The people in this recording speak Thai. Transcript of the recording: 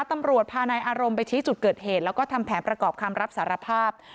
ตำรวจพานายอารมณ์ไปชี้จุดเกิดเหตุแล้วก็ทำแผนประกอบคำรับสารภาพ